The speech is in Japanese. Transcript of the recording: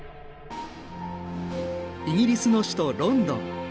イギリスの首都ロンドン。